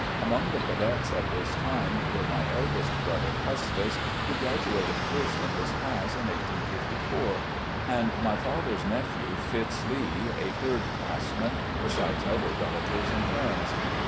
Among the cadets at this time were my eldest brother, Custis, who graduated first in his class in 1854, and my father's nephew, Fitz. Lee, a third classman, besides other relatives and friends.